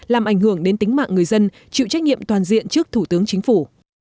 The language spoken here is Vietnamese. làm ảnh hưởng đến tính mạng người dân chịu trách nhiệm toàn diện trước thủ tướng chính phủ